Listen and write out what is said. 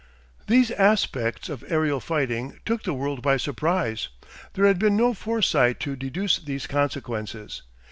These aspects of aerial fighting took the world by surprise. There had been no foresight to deduce these consequences.